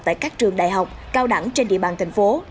tại các trường đại học cao đẳng trên địa bàn thành phố